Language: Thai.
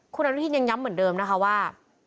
คุณอนุทินยังย้ำเหมือนเดิมนะคะว่า